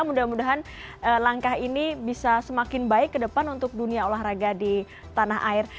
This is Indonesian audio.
mudah mudahan langkah ini bisa semakin baik ke depan untuk dunia olahraga di tanah air